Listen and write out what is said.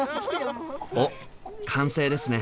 お完成ですね！